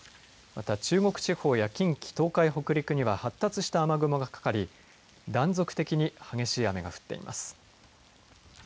また中国地方や近畿東海、北陸には発達した雨雲がかかり断続的に激しい雨が降っています。